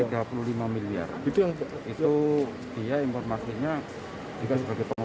itu dia informasinya juga sebagai penguasa